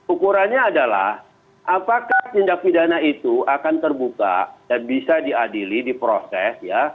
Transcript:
ukurannya adalah apakah tindak pidana itu akan terbuka dan bisa diadili diproses